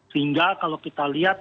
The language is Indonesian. sehingga kalau kita lihat